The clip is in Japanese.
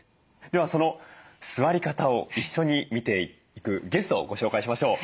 ではその座り方を一緒に見ていくゲストをご紹介しましょう。